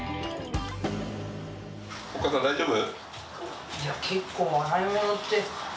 お母さん、大丈夫？